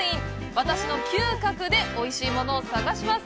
私の嗅覚で、おいしいものを探します！